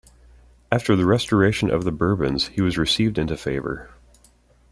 After the restoration of the Bourbons he was received into favor.